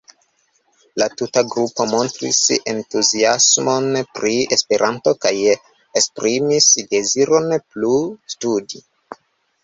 La tuta grupo montris entuziasmon pri Esperanto kaj esprimis deziron plu studi.